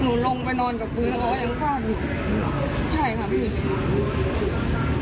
หนูลงไปนอนกับพื้นเขายังฟาดหนูใช่ค่ะพี่